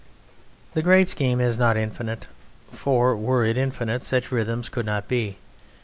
The great scheme is not infinite, for were it infinite such rhythms could not be.